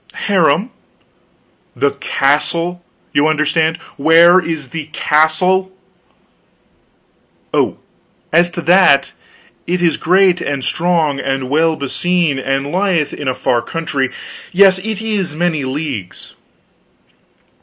"Harem?" "The castle, you understand; where is the castle?" "Oh, as to that, it is great, and strong, and well beseen, and lieth in a far country. Yes, it is many leagues."